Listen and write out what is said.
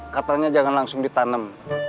katanya jangan langsung ditanam